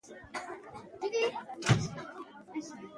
پـه ټـولـنـه کـې ونشـي زغـملـى .